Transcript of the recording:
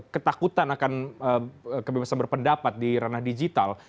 ketakutan akan kebebasan berpendapat di ranah digital